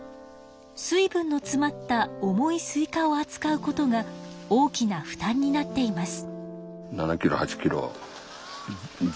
水分のつまった重いスイカをあつかうことが大きな負たんになっています。